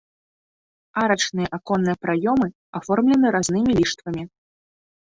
Арачныя аконныя праёмы аформлены разнымі ліштвамі.